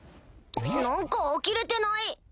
何かあきれてない？